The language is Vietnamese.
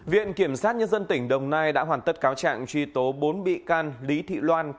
viện kiểm sát nhân dân tỉnh đồng nai đã hoàn tất cáo trạng truy tố bốn bị can lý thị loan